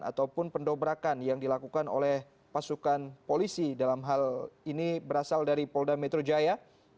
ataupun pendobrakan yang dilakukan oleh pasukan polisi dalam hal ini berasal dari polda metro jaya